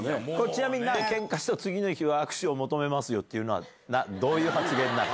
ちなみに、けんかした次の日は握手を求めますよというのは、どういう発言なの？